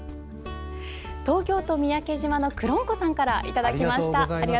東京都三宅島のくろんこさんからいただきました。